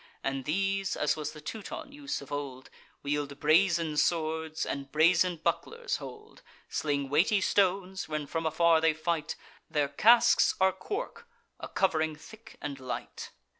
And these (as was the Teuton use of old) Wield brazen swords, and brazen bucklers hold; Sling weighty stones, when from afar they fight; Their casques are cork, a covering thick and light.